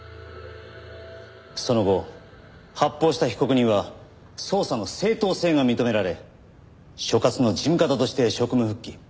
その後発砲した被告人は捜査の正当性が認められ所轄の事務方として職務復帰。